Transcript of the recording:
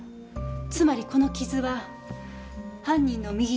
つまりこの傷は犯人の右手